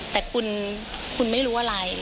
แต่คุณไม่รู้อะไร